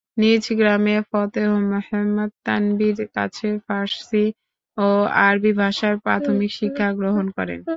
নিজ গ্রামে ফতেহ মুহাম্মদ থানভীর কাছে ফার্সি ও আরবি ভাষার প্রাথমিক শিক্ষা গ্রহণ করেন।